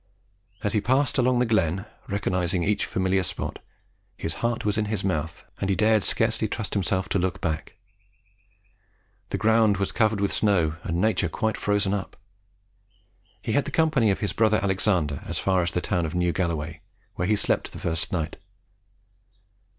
As he passed along the glen, recognising each familiar spot, his heart was in his mouth, and he dared scarcely trust himself to look back. The ground was covered with snow, and nature quite frozen up. He had the company of his brother Alexander as far as the town of New Galloway, where he slept the first night.